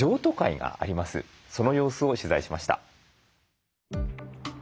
その様子を取材しました。